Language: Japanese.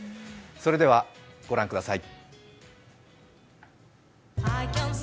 それでは御覧ください。